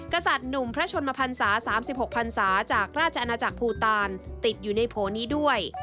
กษัตริย์หนุ่มพระชนมพันศา๓๖พันศาจากราชอาณาจักรภูตาลติดอยู่ในโผล่นี้ด้วย